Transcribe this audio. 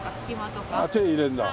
ああ手入れるんだ。